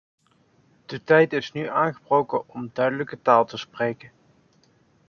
De tijd is nu aangebroken om duidelijke taal te spreken.